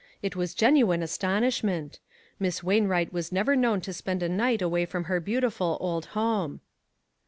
It was genuine astonishment. Miss Wainwright was never known to spend a niglit away from her beautiful old home.